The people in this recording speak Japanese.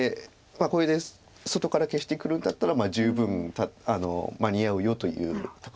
これで外から消してくるんだったら十分間に合うよという高尾さんの主張です。